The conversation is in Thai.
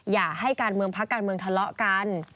อย่าให้การเมืองพักการเมืองทะเลาะกัน